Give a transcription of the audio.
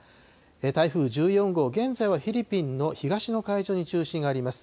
台風１４号、現在はフィリピンの東の海上に中心があります。